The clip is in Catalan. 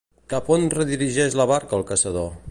Cap on redirigeix la barca el caçador?